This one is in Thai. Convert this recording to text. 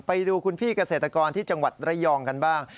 ไปดูคุณพี่เกษตรกรที่จังหวัดระยองกันบ้าง